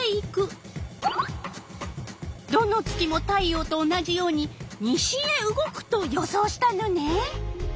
どの月も太陽と同じように西へ動くと予想したのね。